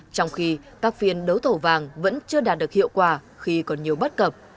trong khi các phiên đấu thổ vàng vẫn chưa đạt được hiệu quả khi còn nhiều bắt cập